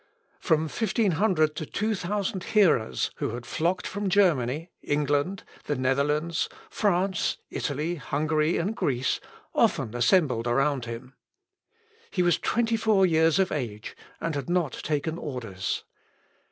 From 1500 to 2000 hearers, who had flocked from Germany, England, the Netherlands, France, Italy, Hungary, and Greece, often assembled around him. He was twenty four years of age, and had not taken orders.